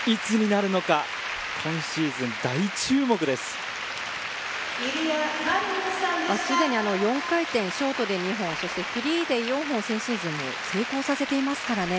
すでに４回転ショートで２本そしてフリーで４本先シーズンも成功させていますからね